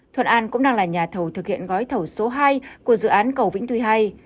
thuận an cũng đang là nhà thầu thực hiện gói thầu số hai của dự án cầu vĩnh tuy hai